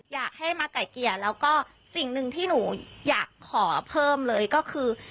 อยากให้มาไก่เกลี่ยแล้วก็สิ่งหนึ่งที่หนูอยากขอเพิ่มเลยก็คือ